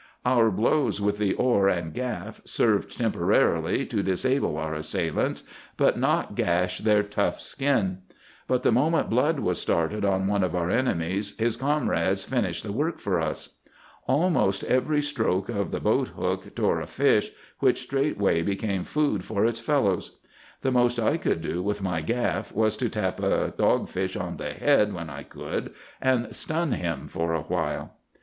"Our blows with the oar and gaff served temporarily to disable our assailants, but not gash their tough skin. But the moment blood was started on one of our enemies his comrades finished the work for us. Almost every stroke of the boat hook tore a fish, which straightway became food for its fellows. The most I could do with my gaff was to tap a dogfish on the head when I could, and stun him for a while.